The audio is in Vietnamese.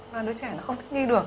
và đứa trẻ nó không thích nghi được